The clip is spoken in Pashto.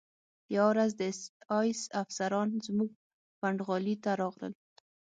یوه ورځ د اېس ایس افسران زموږ پنډغالي ته راغلل